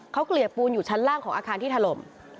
เขาเกลี่ยปูนอยู่ชั้นล่างของอาคารที่ถล่ม